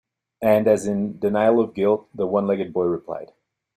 And as in denial of guilt, the one-legged boy replied.